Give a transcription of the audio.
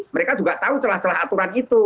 mereka juga tahu celah celah aturan itu